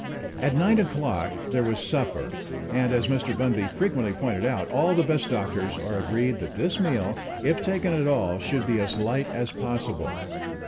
At nine o'clock there was supper, and, as Mr. Bunby frequently pointed out, all the best doctors are agreed that this meal, if taken at all, should be as light as possible.